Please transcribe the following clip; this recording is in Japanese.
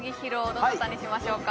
どなたにしましょうか？